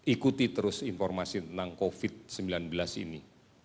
ikuti terus informasi tentang covid sembilan belas ini